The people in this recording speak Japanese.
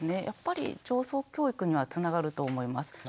やっぱり情操教育にはつながると思います。